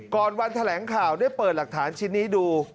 วันแถลงข่าวได้เปิดหลักฐานชิ้นนี้ดู